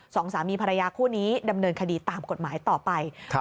สองสามีภรรยาคู่นี้ดำเนินคดีตามกฎหมายต่อไป